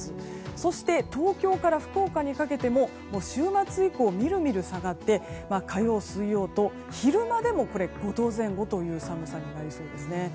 そして、東京から福岡にかけても週末以降見る見る下がって火曜、水曜と昼間でも５度前後という寒さになりそうですね。